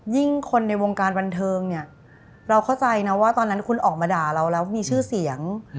คนในวงการบันเทิงเนี่ยเราเข้าใจนะว่าตอนนั้นคุณออกมาด่าเราแล้วมีชื่อเสียง